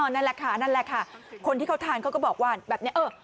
นั่นแหละค่ะคนที่เขาทานเขาก็บอกว่าแบบนี้